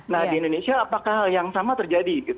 nah di indonesia apakah hal yang sama terjadi